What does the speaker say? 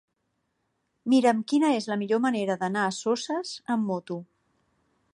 Mira'm quina és la millor manera d'anar a Soses amb moto.